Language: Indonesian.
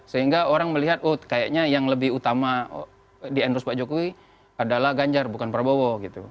sehingga orang melihat oh kayaknya yang lebih utama di endorse pak jokowi adalah ganjar bukan prabowo gitu